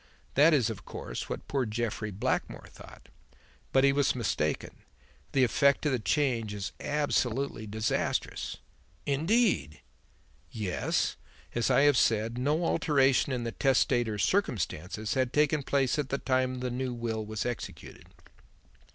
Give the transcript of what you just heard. That is, of course, what poor Jeffrey Blackmore thought. But he was mistaken. The effect of the change is absolutely disastrous." "Indeed!" "Yes. As I have said, no alteration in the testator's circumstances had taken place at the time the new will was executed.